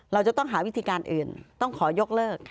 เราจะต้องหาวิธีการอื่นต้องขอยกเลิก